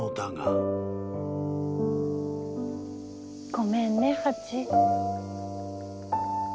ごめんねハチ。